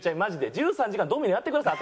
１３時間ドミノやってください。